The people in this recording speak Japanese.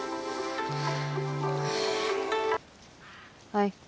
はい。